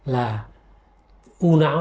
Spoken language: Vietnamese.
là u não